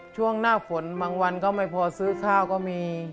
ช่วงหน้าผ่นบางวันมันไม่พอซื้อค่าก็มี